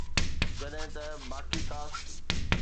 جڏهن ته باقي ڪاسٽ